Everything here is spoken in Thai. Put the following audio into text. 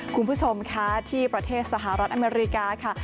คุณผู้ชมคะที่ประเทศสหรัฐอเมริกาค่ะ